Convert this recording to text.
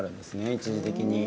一時的に。